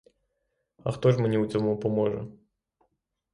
А хто ж мені у цьому поможе?